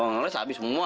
kalau ngeles habis semua